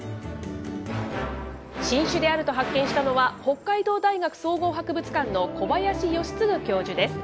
新種であると発見したのは北海道大学総合博物館の小林快次教授です。